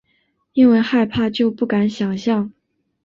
因为害怕就不敢想像